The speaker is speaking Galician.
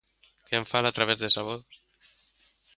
Quen fala a través desa voz?